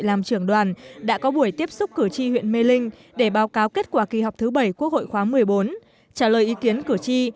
làm trường đoàn đã có buổi tiếp xúc cử tri huyện mê linh để báo cáo kết quả kỳ họp thứ bảy quốc hội khóa một mươi bốn